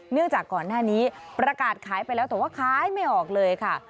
จากก่อนหน้านี้ประกาศขายไปแล้วแต่ว่าขายไม่ออกเลยค่ะ